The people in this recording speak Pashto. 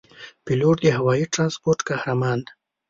پیلوټ د هوايي ترانسپورت قهرمان دی.